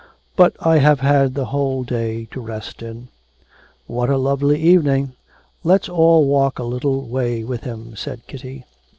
'But I have had the whole day to rest in.' 'What a lovely evening! Let's all walk a little way with him,' said Kitty.